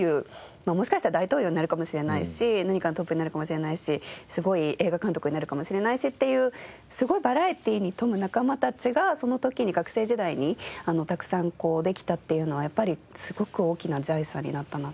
まあもしかしたら大統領になるかもしれないし何かのトップになるかもしれないしすごい映画監督になるかもしれないしっていうすごいバラエティーに富む仲間たちがその時に学生時代にたくさんできたっていうのはやっぱりすごく大きな財産になったなと思います。